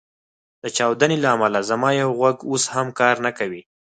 د چاودنو له امله زما یو غوږ اوس هم کار نه کوي